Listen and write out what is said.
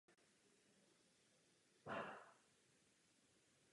Uvnitř lodi stojí dřevěná zvlněná kruchta.